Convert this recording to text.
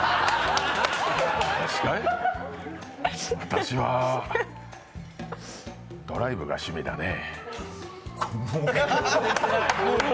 私はドライブが趣味だね。